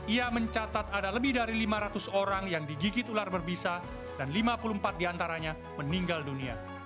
ia mencatat ada lebih dari lima ratus orang yang digigit ular berbisa dan lima puluh empat diantaranya meninggal dunia